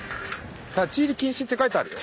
「立入禁止」って書いてあるよ。